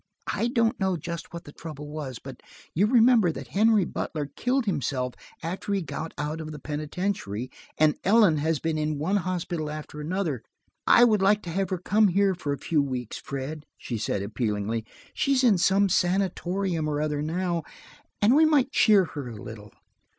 I don't know just what the trouble was. But you remember that Henry Butler killed himself after he got out of the penitentiary, and Ellen has been in one hospital after another. I would like to have her come here for a few weeks, Fred," she said appealingly. "She is in some sanatorium or other now, and we might cheer her a little."